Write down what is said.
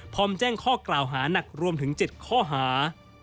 แจ้งข้อกล่าวหานักรวมถึง๗ข้อหา